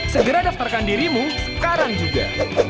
segera daftarkan dirimu sekarang juga